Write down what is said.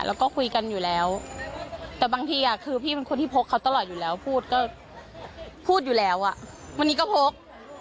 แล้วก็คุยกันอยู่แล้วแต่บางทีคือพี่เป็นคนที่พกเขาตลอดอยู่แล้วพูดก็พูดอยู่แล้วอ่ะวันนี้ก็พก